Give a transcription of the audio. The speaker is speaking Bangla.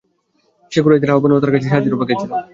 সে কুরাইশদের আহ্বান ও তার কাছে সাহায্যের অপেক্ষায় ছিল।